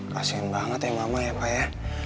kasian banget ya mama ya pak ya